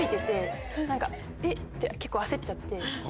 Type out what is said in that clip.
て結構焦っちゃって。